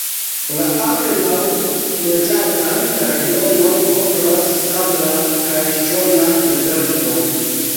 La apenaŭ loĝatan regionon kovras sabla kaj ŝtona dezerto.